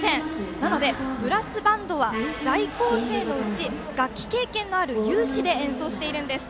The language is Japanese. なのでブラスバンドは在校生の内楽器経験のある有志で演奏しているんです。